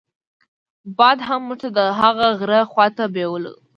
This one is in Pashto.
باد هم موږ د هغه غره خواته بېولو.